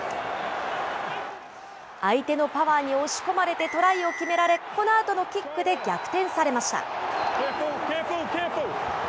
相手のパワーに押し込まれてトライを決められ、このあとのキックで逆転されました。